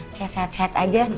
saya sehat sehat aja